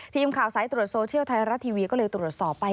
ทีมข่าวสายตรวจโซเชียลไทยรัฐทีวีก็เลยตรวจสอบไป